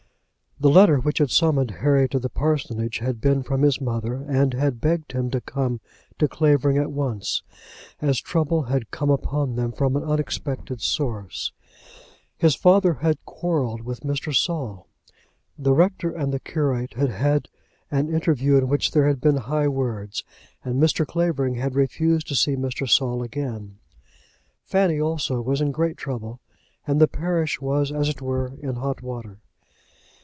The letter which had summoned Harry to the parsonage had been from his mother, and had begged him to come to Clavering at once, as trouble had come upon them from an unexpected source. His father had quarrelled with Mr. Saul. The rector and the curate had had an interview, in which there had been high words, and Mr. Clavering had refused to see Mr. Saul again. Fanny also was in great trouble, and the parish was, as it were, in hot water.